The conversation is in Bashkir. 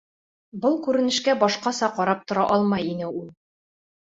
Был күренешкә башҡаса ҡарап тора алмай ине ул.